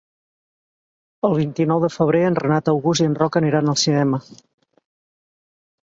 El vint-i-nou de febrer en Renat August i en Roc aniran al cinema.